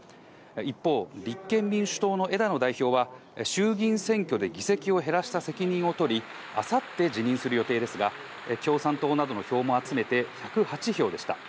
一方、立憲民主党の枝野代表は、衆議院選挙で議席を減らした責任を取り、あさって辞任する予定ですが、共産党などの票も集めて、１０８票でした。